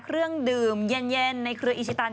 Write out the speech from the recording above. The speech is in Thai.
เครื่องดื่มเย็นในเครืออิชิตัน